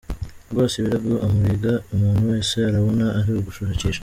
Rwose ibirego umurega umuntu wese arabona ari ugushakisha.